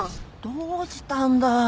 どうしたんだい！